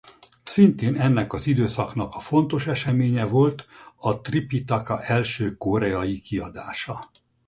Szintén ennek az időszaknak a fontos eseménye volt a Tripitaka első koreai kiadása.